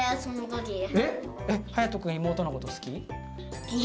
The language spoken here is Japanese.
はやとくん妹のこと好き？